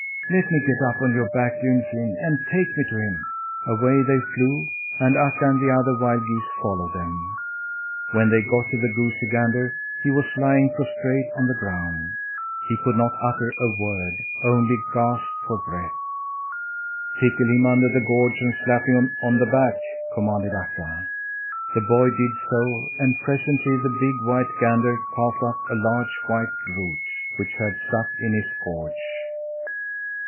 "Let me get up on your back, Dunfin, and take me to him!" Away they flew, and Akka and the other wild geese followed them. When they got to the goosey gander, he was lying prostrate on the ground. He could not utter a word only gasped for breath. "Tickle him under the gorge and slap him on the back!" commanded Akka. The boy did so and presently the big, white gander coughed up a large, white root, which had stuck in his gorge.